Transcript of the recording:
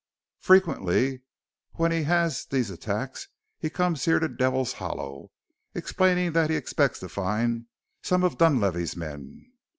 Frequently when he has these attacks he comes here to Devil's Hollow, explaining that he expects to find some of Dunlavey's men.